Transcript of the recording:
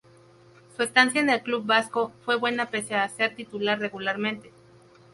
Su estancia en el club vasco fue buena pese a no ser titular regularmente.